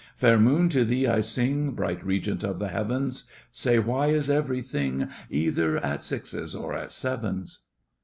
Fair moon, to thee I sing, Bright regent of the heavens, Say, why is everything Either at sixes or at sevens?